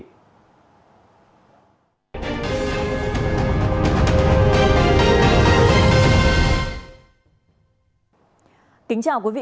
chào các bạn